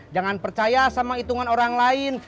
jangan percaya sama hitungan orang lain